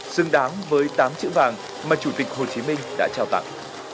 xứng đáng với tám chữ vàng mà chủ tịch hồ chí minh đã trao tặng